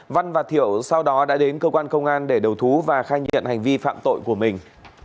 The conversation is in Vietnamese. văn và thiệu sau đó đã đến cơ quan công an để đầu thú và khai nhận hành vi phạm tội của mình